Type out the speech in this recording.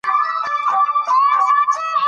وراره يې په خونه کې ناست و.